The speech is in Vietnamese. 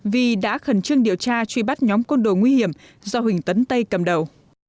vì đã khẩn trương điều tra truy bắt nhóm côn đồ nguy hiểm do huỳnh tấn tây cầm đầu